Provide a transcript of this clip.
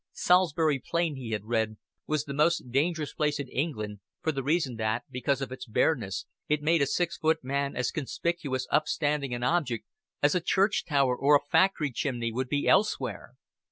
Salisbury Plain, he had read, was the most dangerous place in England; for the reason that, because of its bareness, it made a six foot man as conspicuous, upstanding an object as a church tower or a factory chimney would be elsewhere.